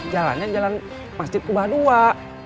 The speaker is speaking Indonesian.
jalannya jalan masjid qubah dua